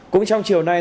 cũng trong chiều nay